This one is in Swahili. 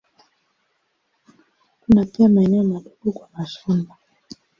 Kuna pia maeneo madogo kwa mashamba.